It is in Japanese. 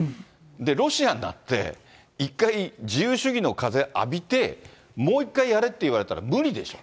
ロシアになって、一回、自由主義の風、浴びて、もう一回やれって言われたら無理でしょ。